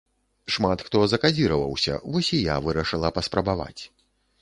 Шмат хто закадзіраваўся, вось і я вырашыла паспрабаваць.